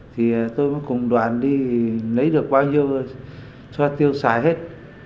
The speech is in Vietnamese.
thì tôi mới cùng đoàn đi lấy được bao nhiêu cho tiêu xài hết